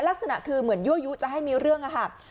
ลักษณะคือเหมือนยั่วยุจะให้มีเรื่องค่ะ